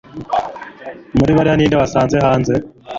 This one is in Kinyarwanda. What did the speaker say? Muri bariya ninde wasanze hanze